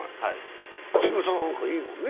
千賀さんなんかはいいもんね。